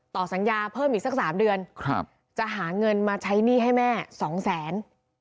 ต่อสัญญาเพิ่มอีกสัก๓เดือนจะหาเงินมาใช้หนี้ให้แม่สองแสน